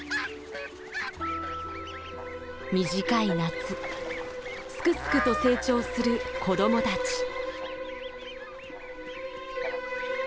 短い夏すくすくと成長する子どもたち。